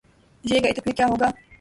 یہ گئے تو پھر کیا ہو گا؟